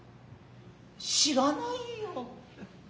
知らないよ。